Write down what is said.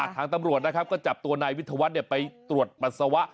ทางตำรวจนะครับก็จับตัวนายวิทยาวัฒน์ไปตรวจปัสสาวะ